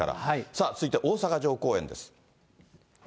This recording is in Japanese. さあ続いて大阪城公園です。